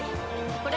これ！